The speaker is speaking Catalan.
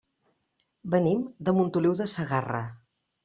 Venim de Montoliu de Segarra.